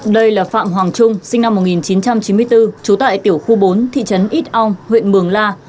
đây là phạm hoàng trung sinh năm một nghìn chín trăm chín mươi bốn trú tại tiểu khu bốn thị trấn ít ong huyện mường la